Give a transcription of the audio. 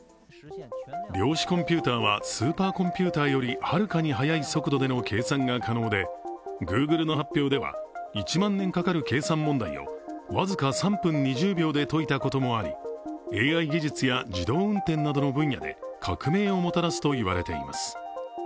量子コンピューターはスーパーコンピューターよりはるかに速い速度での計算が可能で、グーグルの発表では１万年かかる計算問題を僅か３分２０秒で解いたこともありＡＩ技術や自動運転などの分野で革命をもたらすと言われています。